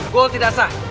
goal tidak sah